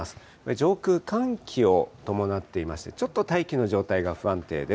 上空、寒気を伴っていまして、ちょっと大気の状態が不安定です。